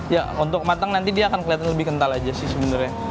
ya untuk matang nanti dia akan kelihatan lebih kental aja sih sebenarnya